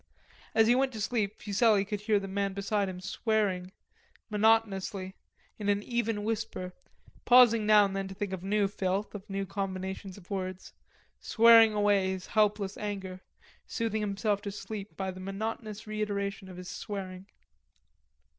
As he went to sleep Fuselli could hear the man beside him swearing, monotonously, in an even whisper, pausing now and then to think of new filth, of new combinations of words, swearing away his helpless anger, soothing himself to sleep by the monotonous reiteration of his swearing.